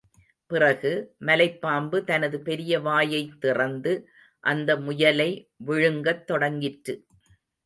பிறகு, மலைப்பாம்பு தனது பெரிய வாயைத் திறந்து, அந்த முயலை விழுங்கத் தொடங்கிற்று.